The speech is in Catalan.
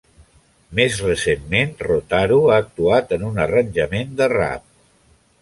Més recentment, Rotaru ha actuat en un arranjament de rap.